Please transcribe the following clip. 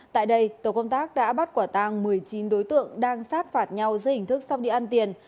tại đây tổ công tác đã bắt quả tang một mươi chín đối tượng đang sát phạt nhau dưới hình thức sóc địa ăn tiền